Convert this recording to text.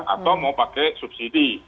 atau mau pakai subsidi